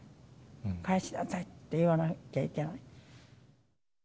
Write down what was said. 返しなさいって言わなきゃいけない。